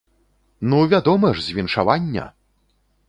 Ну вядома ж, з віншавання!